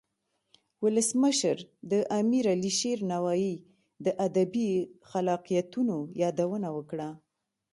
ولسمشر د امیر علي شیر نوایی د ادبی خلاقیتونو یادونه وکړه.